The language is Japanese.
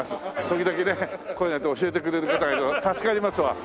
時々ねこうやって教えてくれる方がいると助かりますわ。